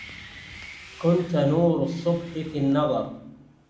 كنتَ نورَ الصُبحِ في النظرِ